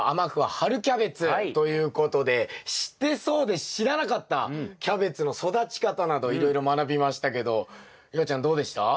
春キャベツ」ということで知ってそうで知らなかったキャベツの育ち方などいろいろ学びましたけど夕空ちゃんどうでした？